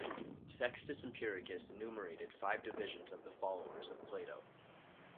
Sextus Empiricus enumerated five divisions of the followers of Plato.